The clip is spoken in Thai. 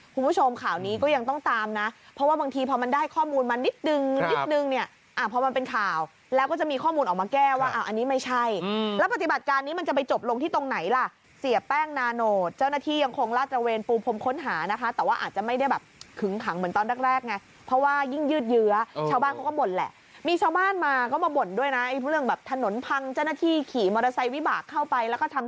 คุณผู้ชมข่าวนี้ก็ยังต้องตามนะเพราะว่าบางทีพอมันได้ข้อมูลมันนิดนึงนิดนึงเนี่ยพอมันเป็นข่าวแล้วก็จะมีข้อมูลออกมาแก้ว่าอันนี้ไม่ใช่แล้วปฏิบัติการนี้มันจะไปจบลงที่ตรงไหนล่ะเสียแป้งนาโนเจ้าหน้าที่ยังคงลาดจังเวรปรุงพรมค้นหานะคะแต่ว่าอาจจะไม่ได้แบบคึ้งขังเหมือนตอนแรก